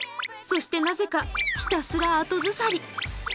そしてなぜか、ひたすら後ずさり。